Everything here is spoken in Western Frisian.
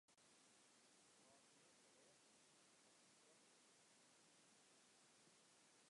Hy hâldt mear fan lêzen as fan sprekken yn it iepenbier.